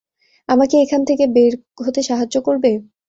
আমাকে এখান থেকে বের হতে সাহায্য করবে?